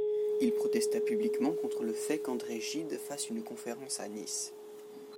Il protesta publiquement contre le fait qu'André Gide fasse une conférence à Nice.